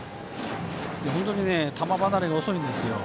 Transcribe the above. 本当に球離れが遅いんですよ。